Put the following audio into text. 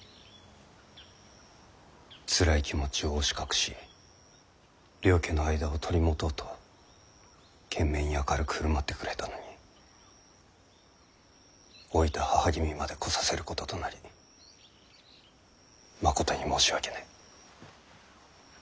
つらい気持ちを押し隠し両家の間を取り持とうと懸命に明るく振る舞ってくれたのに老いた母君まで来させることとなりまことに申し訳ない。